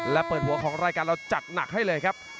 และเปิดหัวของรายการเราจัดหนักให้เลยครับ